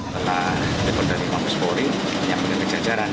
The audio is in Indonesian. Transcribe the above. telah berdekat dari pampus boring yang menempel kejajaran